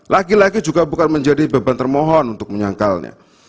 lagi lagi juga bukan menjadi beban termohon untuk menyangkalnya